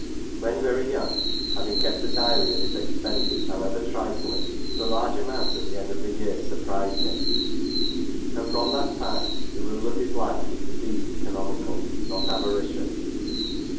When very young, having kept a diary of his expenses however trifling, the large amount, at the end of the year, surprised him ; 58 ♦ NOTES. and from that time the rule of his life was to be ceconomical, not avaricious.